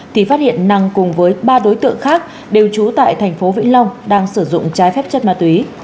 thì phát hiện năng cùng với ba đối tượng khác đều trú tại thành phố vĩnh long đang sử dụng trái phép chất ma túy